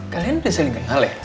kalian tidak saling kenal ya